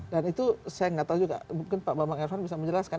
dan itu saya tidak tahu juga mungkin pak bambang irfan bisa menjelaskan